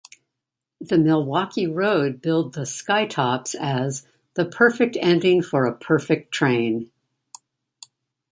The Milwaukee Road billed the "Skytops" as "the perfect ending for a perfect train".